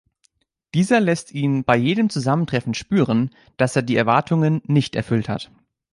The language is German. Dieser lässt ihn bei jedem Zusammentreffen spüren, dass er die Erwartungen nicht erfüllt hat.